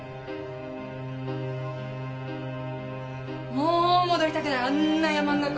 もう戻りたくないあんな山の中。